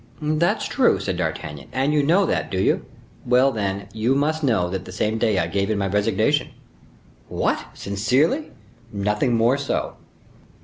"That's true," said D'Artagnan. "And you know that, do you? Well, then, you must know that the same day I gave in my resignation!" "What, sincerely?" "Nothing more so."